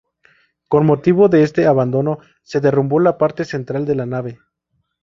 Con motivo de este abandono se derrumbó la parte central de la nave.